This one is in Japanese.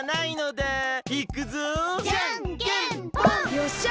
よっしゃ！